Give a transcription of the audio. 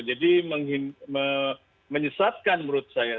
jadi menyesatkan menurut saya